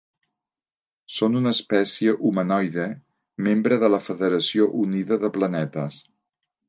Són una espècie humanoide membre de la Federació Unida de Planetes.